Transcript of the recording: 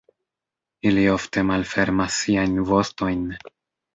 Ili ofte malfermas siajn vostojn.